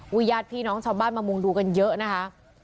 ญาติพี่น้องชาวบ้านมามุงดูกันเยอะนะคะ